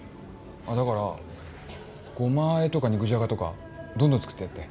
だからゴマあえとか肉じゃがとかどんどん作ってやって。